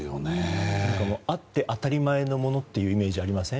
あって当たり前のものというイメージありません？